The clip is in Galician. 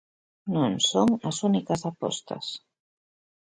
Non son as únicas apostas.